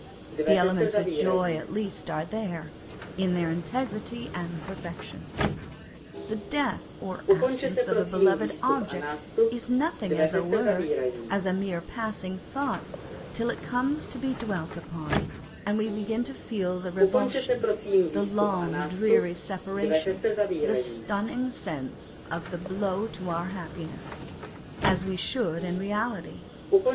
The elements of joy at least are there, in their integrity and perfection. The death or absence of a beloved object is nothing as a word, as a mere passing thought, till it comes to be dwelt upon, and we begin to feel the revulsion, the long dreary separa tion, the stunning sense of the blow to our happiness, as we should in reality.